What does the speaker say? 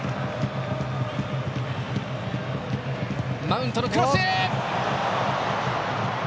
マウントのクロス！